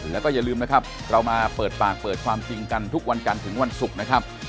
แล้วก็อย่าลืมนะครับเรามาเปิดปากเปิดความจริงกันทุกวันจันทร์ถึงวันศุกร์นะครับ